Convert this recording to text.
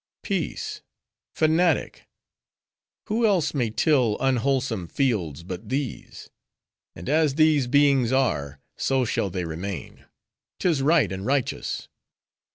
"Peace, fanatic! Who else may till unwholesome fields, but these? And as these beings are, so shall they remain; 'tis right and righteous!